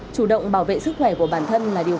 chủ động bảo vệ sức khỏe của bản thân là điều